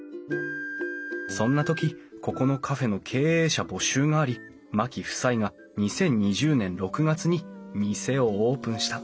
そんな時ここのカフェの経営者募集があり牧夫妻が２０２０年６月に店をオープンした。